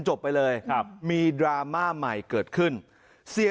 ไปเลยครับมีดราม่าใหม่เกิดขึ้นเสีย